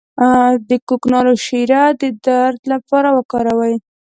د کوکنارو شیره د درد لپاره وکاروئ